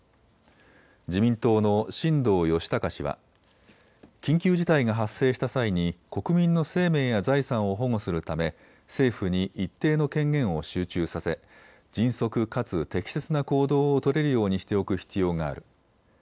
自民党の新藤義孝氏は、緊急事態が発生した際に国民の生命や財産を保護するため政府に一定の権限を集中させ迅速かつ適切な行動を取れるようにしておく必要がある。